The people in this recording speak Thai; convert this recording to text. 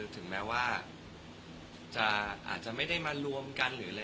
ถึงแม้ว่าจะไม่ได้มารวมกัน